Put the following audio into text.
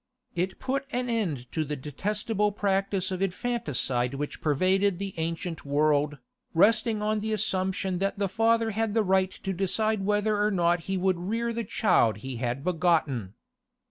It put an end to the detestable practice of infanticide which pervaded the ancient world, resting on the assumption that the father had the right to decide whether or not he would rear the child he had begotten.